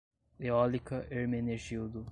Eólica Hermenegildo